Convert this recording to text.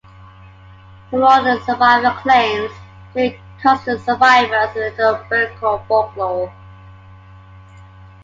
For more on survivor claims, see "Custer Survivors in Little Bighorn Folklore".